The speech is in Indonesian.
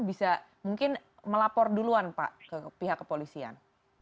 bisa mungkin melapor duluan pak ke pihak kepolisian